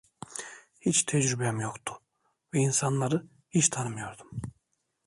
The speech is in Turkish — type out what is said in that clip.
Hiç tecrübem yoktu ve insanları hiç tanımıyordum.